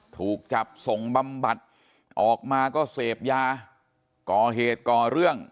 ถูกจับส่งบำบัดออกมาก็เสพยาก่อเหตุก่อเรื่อง